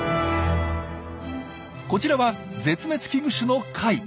こちらは絶滅危惧種の貝。